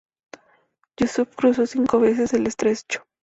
Yúsuf cruzó cinco veces el estrecho.